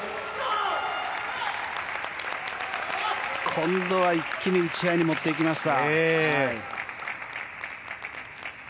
今度は一気に打ち合いに持っていきました。